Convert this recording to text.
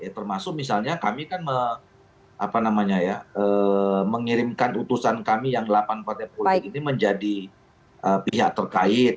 termasuk misalnya kami kan mengirimkan utusan kami yang delapan partai politik ini menjadi pihak terkait